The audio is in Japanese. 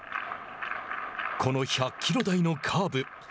この１００キロ台のカーブ。